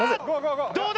どうだ？